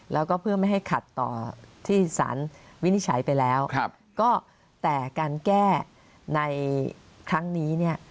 แล้วก็เพื่อไม่ให้ขัดต่อที่สารวินิจฉัยไปแล้วก็แต่การแก้ในครั้งนี้เนี่ย